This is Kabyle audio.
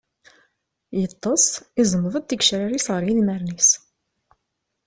Yeṭṭes, iẓmeḍ-d tigecrar-is ɣer yedmaren-is.